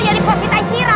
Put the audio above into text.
jadi posainaya phari da